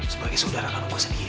sebagai saudarakan gue sendiri